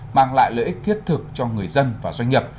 mang lại lợi ích thiết thực cho người dân và doanh nghiệp